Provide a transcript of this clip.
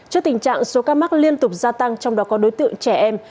trước tình trạng số ca mắc liên tục gia tăng trong đó có đối tượng trẻ em